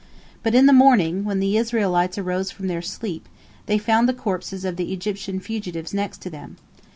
But in the morning, when the Israelites arose from their sleep, they found the corpses of the Egyptian fugitives next to them.